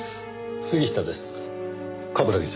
杉下です。